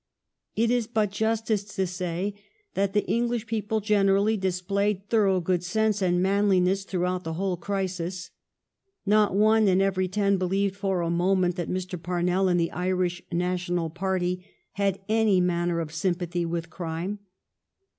It is but justice to say that the English people gen erally displayed thorough good sense and manli ness throughout the whole crisis. Not one in every ten believed for a moment that Mr. Parnell and the Irish National party had any manner of sympathy with crime.